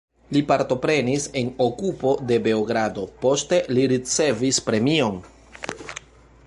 Li partoprenis en okupo de Beogrado, poste li ricevis premion.